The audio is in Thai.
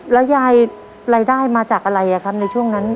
แล้วยายรายได้มาจากอะไรครับในช่วงนั้น